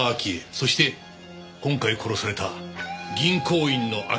そして今回殺された銀行員の秋山圭子だ。